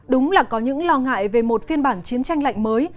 đúng là có những lo ngại về một phiên bản chiến tranh lạnh mới